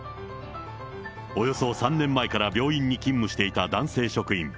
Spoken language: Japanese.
およそ３年前から病院に勤務していた男性職員。